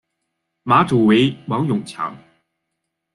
马主为王永强。